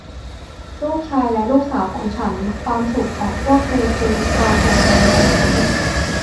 ลูกชายและลูกสาวของฉัน ความสุขของพวกเธอคือความห่วงใยของฉัน